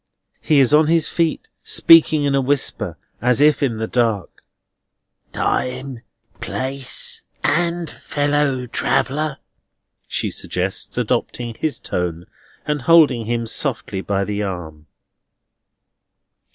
He is on his feet, speaking in a whisper, and as if in the dark. "Time, place, and fellow traveller," she suggests, adopting his tone, and holding him softly by the arm.